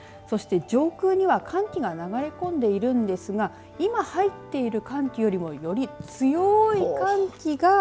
そして上空には寒気が流れ込んでいるんですが今、入っている寒気よりも、より強い寒気が。